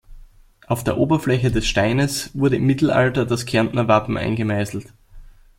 Auf der Oberfläche des Steines wurde im Mittelalter das Kärntner Wappen eingemeißelt.